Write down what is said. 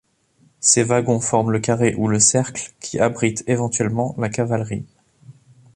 Ces wagons forment le carré ou le cercle, qui abrite éventuellement la cavalerie.